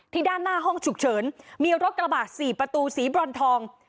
ด้านหน้าห้องฉุกเฉินมีรถกระบะ๔ประตูสีบรอนทอง